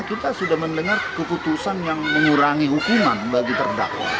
kita sudah mendengar keputusan yang mengurangi hukuman bagi terdakwa